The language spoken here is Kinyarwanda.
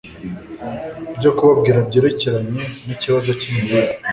byo kubabwira byerekeranye nikibazo cyimirire